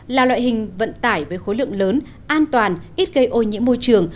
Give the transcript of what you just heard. là loại hình vận tải với khối lượng lớn an toàn ít gây ô nhiễm môi trường